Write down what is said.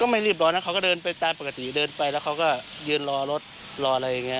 ไม่รีบร้อนนะเขาก็เดินไปตามปกติเดินไปแล้วเขาก็ยืนรอรถรออะไรอย่างนี้